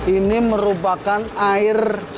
ini merupakan air sari kedelai